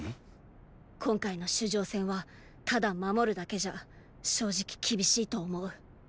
今回の守城戦はただ守るだけじゃ正直厳しいと思う。